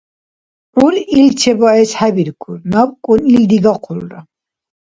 ГӀур ил чебаэс хӀебиркур, набкӀун ил дигахъулра.